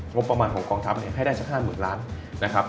งบประมาณของกองทัพเนี่ยให้ได้สัก๕๐๐๐ล้านนะครับ